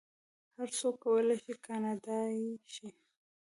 هر څوک کولی شي کاناډایی شي.